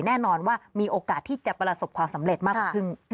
แน่นอนว่ามีโอกาสที่จะประสบความสำเร็จมากกว่าครึ่ง